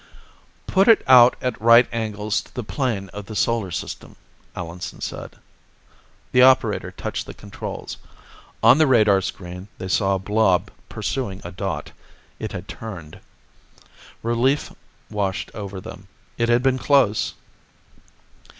"Pull it out at right angles to the plane of the Solar System," Allenson said. The operator touched the controls. On the radar screen, they saw a blob pursuing a dot. It had turned. Relief washed over them. It had been close!